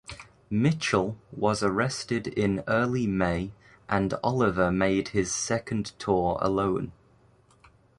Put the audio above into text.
Mitchell was arrested in early May and Oliver made his second tour alone.